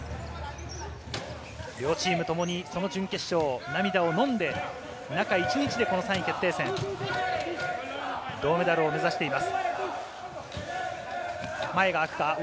両チームともにその準決勝、涙をのんで中一日でこの３位決定戦、銅メダルを目指しています。